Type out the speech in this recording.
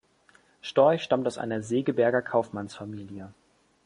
Storch stammt aus einer Segeberger Kaufmannsfamilie.